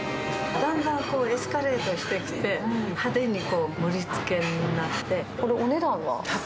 だんだんエスカレートしてきて、派手に盛りつけになって。